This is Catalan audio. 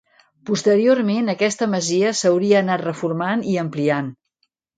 Posteriorment aquesta masia s'hauria anat reformant i ampliant.